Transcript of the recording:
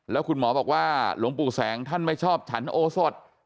แล้วคุณหมอบอกว่าหลวงปู่แสงท่านไม่ชอบฉันโอสด